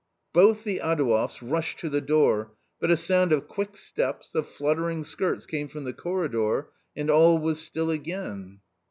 Both the Adouevs rushed to the door, but a sound of quick steps, of fluttering skirts came from the corridor, and all was still again.